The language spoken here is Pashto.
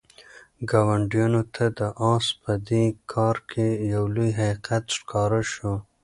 ګاونډیانو ته د آس په دې کار کې یو لوی حقیقت ښکاره شو.